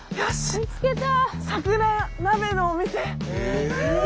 見つけた！